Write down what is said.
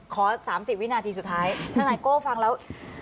ขอสามสี่วินาทีสุดท้ายถ้านายโก๊ะฟังแล้ว